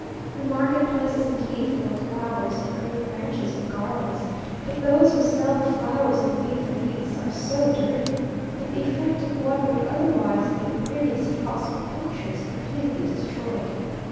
The market place is indeed full of flowers and green branches and garlands but those who sell the flowers and weave the wreaths are so dirty, that the effect of what would otherwise be the prettiest possible picture, is completely destroyed.